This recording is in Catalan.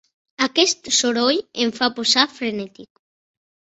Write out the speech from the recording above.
Aquest soroll em fa posar frenètic.